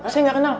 saya gak kenal